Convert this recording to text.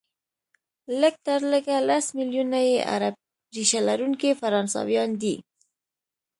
لږ تر لږه لس ملیونه یې عرب ریشه لرونکي فرانسویان دي،